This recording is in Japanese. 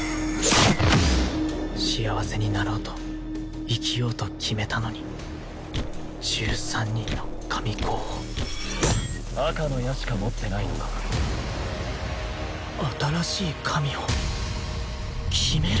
幸せになろうと生きようと決めたのに１３人の神候補赤の矢しか持ってないのか新しい神を決める？